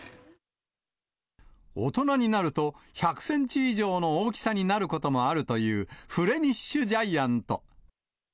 大人になると１００センチ以上の大きさになることもあるというフレミッシュジャイアント。